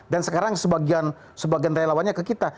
dan sekarang sebagian relawannya ke kita